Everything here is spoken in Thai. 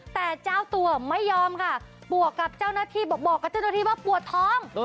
แต่เจ้าตัวไม่ยอมค่ะบอกกับเจ้าหน้าที่ว่าปวดท้อง